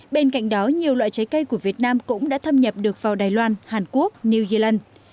bên cạnh đó nhiều loại trái cây của việt nam cũng đã thâm nhập được vào đài loan hàn quốc new zealand